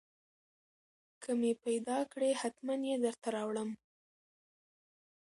که مې پېدا کړې حتمن يې درته راوړم.